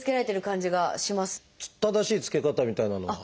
正しい着け方みたいなのは。